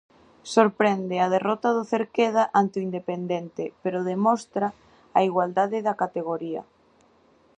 Sorprende a derrota do Cerqueda ante o independente, pero demostra a igualdade da categoría.